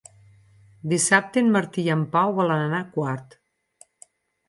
Dissabte en Martí i en Pau volen anar a Quart.